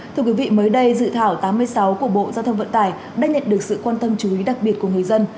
thưa quý vị mới đây dự thảo tám mươi sáu của bộ giao thông vận tải đã nhận được sự quan tâm chú ý đặc biệt của người dân